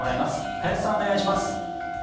林さんお願いします。